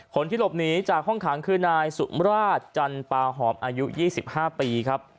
คนที่หลบหนีจากห้องขังคือนายสุมราชจันปาหอมอายุ๒๕ปีครับ